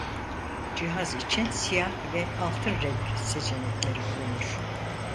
Cihaz için siyah ve altın renk seçenekleri bulunur.